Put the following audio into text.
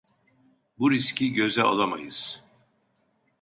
Bu riski göze alamayız.